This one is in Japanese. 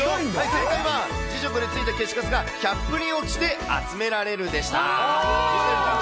正解は、磁石についた消しかすがキャップに落ちて集められる、でした。